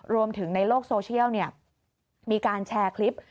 รวมถึงในโลกโซเชียลมีการแชร์คลิป